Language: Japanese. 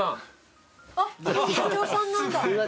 社長さんなんだ。